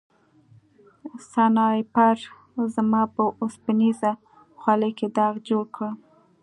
سنایپر زما په اوسپنیزه خولۍ کې داغ جوړ کړ